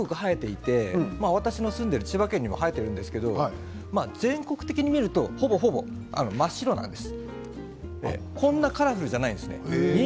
実は日本全国を生えていて私の住んでいる千葉県にも生えているんですけれど全国的に見るとほぼほぼ真っ白なんです。